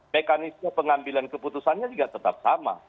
mekanisme pengambilan keputusannya juga tetap sama